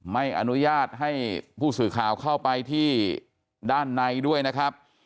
ไม่อนุญาตให้ผู้สื่อข่าวเข้าไปที่ด้านในด้วยนะครับ